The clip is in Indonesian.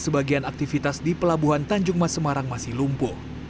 sebagian aktivitas di pelabuhan tanjung mas semarang masih lumpuh